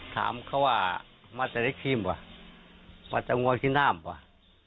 ถามเขาว่ามาจากเล็กทรีย์หรือเปล่ามาจากงวลที่น้ำหรือเปล่า